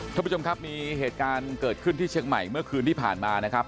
ท่านผู้ชมครับมีเหตุการณ์เกิดขึ้นที่เชียงใหม่เมื่อคืนที่ผ่านมานะครับ